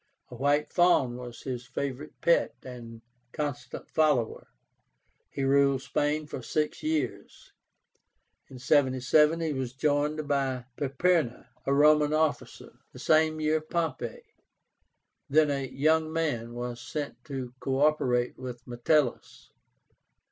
A white fawn was his favorite pet and constant follower. He ruled Spain for six years. In 77 he was joined by PERPERNA a Roman officer. The same year Pompey, then a young man, was sent to co operate with Metellus.